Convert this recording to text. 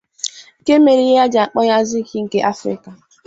nke mere e ji akpọ ya Zik nke Africa.